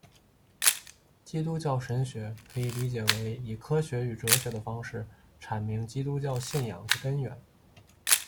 基督教神学可以理解为以科学与哲学的方式阐明基督教信仰之根源。